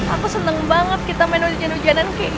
aku seneng banget kita main hujan hujanan kayak gini